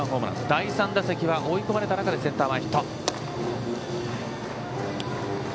第３打席は追い込まれた中センター前ヒット。